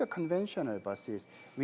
tapi dengan truk asli